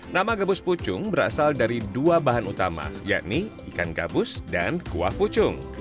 nama gabus pucung berasal dari dua bahan utama yakni ikan gabus dan kuah pucung